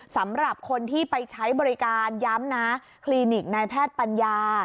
สำหรับคนที่ไปใช้บริการย้ำนะคลินิกนายแพทย์ปัญญา